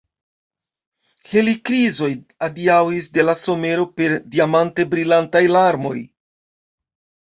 Helikrizoj adiaŭis de la somero per diamante brilantaj larmoj.